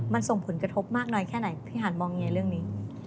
มันส่งผลกระทบมากน้อยแค่ไหนพี่หันมองยังไงเรื่องนี้